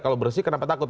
kalau bersih kenapa takut